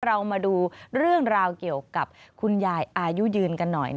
เรามาดูเรื่องราวเกี่ยวกับคุณยายอายุยืนกันหน่อย